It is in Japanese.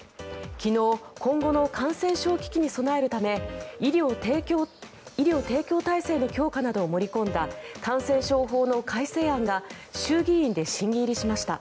昨日今後の感染症危機に備えるため医療提供体制の強化などを盛り込んだ感染症法の改正案が衆議院で審議入りしました。